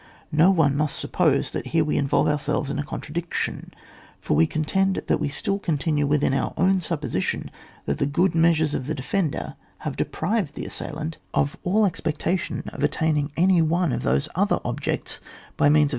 No one must suppose that we here involve ourselves in a contradiction, for we con tend that we still continue within our own supposition^ that the good measures of the defender have deprived the assailant CHAP. ZXX.J fHFUNCf OF A THEATRE OF WAR, 201 of all expectation of attaining any one of those other objects by means of a.